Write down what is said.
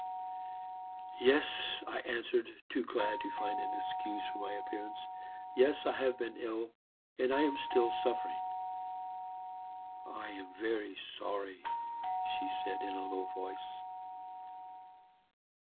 "'Yes,' I answered, too glad to find an excuse for my appearance 'yes, I have been ill, and I am still suffering.' "'I am very sorry,' she said, in a low voice.